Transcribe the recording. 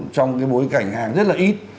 trong cái bối cảnh hàng rất là ít